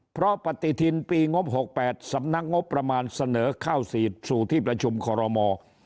เพราะปฏิทินปีงบ๖๘สำนักงบประมาณเสนอเข้าฉีดสู่ที่ประชุมคอรมอ